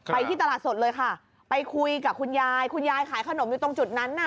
ที่ตลาดสดเลยค่ะไปคุยกับคุณยายคุณยายขายขนมอยู่ตรงจุดนั้นน่ะ